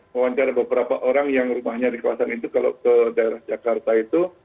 wawancara beberapa orang yang rumahnya di kawasan itu kalau ke daerah jakarta itu